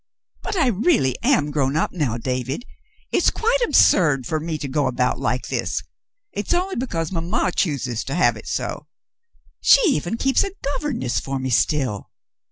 "But I really am grown up now, David. It's quite absurd for me to go about like this. It's only because mamma chooses to have it so. She even keeps a governess for me still."